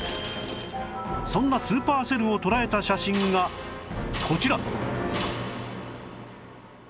そんなスーパーセルを捉えた写真がこちら